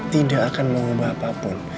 tidak akan mengubah apapun